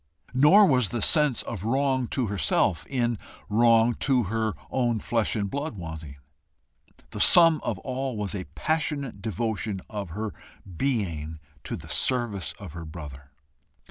Nor was the sense of wrong to herself in wrong to her own flesh and blood wanting. The sum of all was a passionate devotion of her being to the service of her brother.